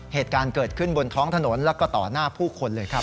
เหตุการณ์เกิดขึ้นบนท้องถนนแล้วก็ต่อหน้าผู้คนเลยครับ